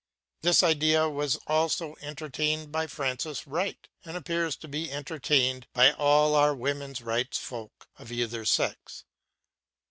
This idea was also entertained by Frances Wright, and appears to be entertained by all our Women's Rights folk of either sex.